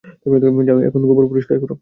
যাও এখন গোবর পরিস্কার করো।